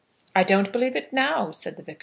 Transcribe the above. "I don't believe it now," said the Vicar.